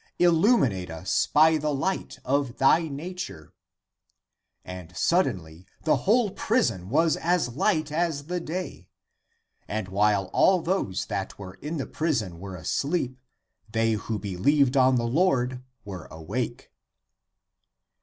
Illuminate us by the light of thy nature !" And suddenly the whole prison was as light as the day. And while all those that were in the prison were asleep, they who believed on the Lord were awake.